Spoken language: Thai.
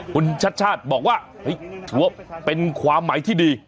คุณชัดบอกว่าเป็นความหมายที่ดี